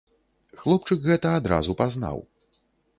Хлопчык гэта адразу пазнаў.